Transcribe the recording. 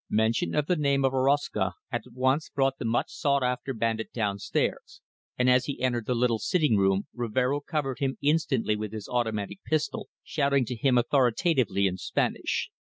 Mention of the name of Orozco at once brought the much sought after bandit downstairs, and as he entered the little sitting room Rivero covered him instantly with his automatic pistol, shouting to him authoritatively in Spanish.